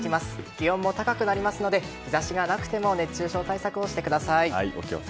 気温も高くなりますので日差しがなくても熱中症対策をしてください。